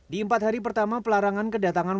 di empat hari pertama pelarangan kedatangan